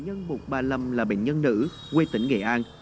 nhân một trăm ba mươi năm là bệnh nhân nữ quê tỉnh nghệ an